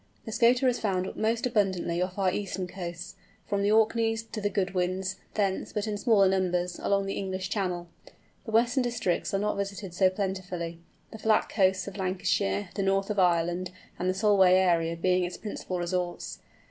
The Scoter is found most abundantly off our eastern coasts, from the Orkneys to the Goodwins, and thence, but in smaller numbers, along the English Channel. The western districts are not visited so plentifully, the flat coasts of Lancashire, the north of Ireland, and the Solway area being its principal resorts.